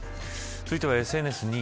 続いてはＳＮＳ２位。